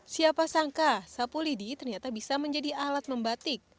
siapa sangka sapu lidi ternyata bisa menjadi alat membatik